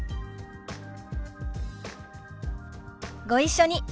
ご一緒に。